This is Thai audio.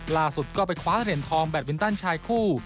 ล่าสุดก็ไปคว้าเหรียญทองแบตมินตันชายคู่